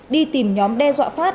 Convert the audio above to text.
đi tìm nhóm đe dọa phát